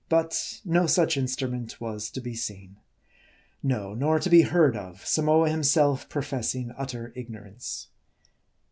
But no such instrument was to be seen. No : nor to be heard of; Samoa himself professing utter ignorance.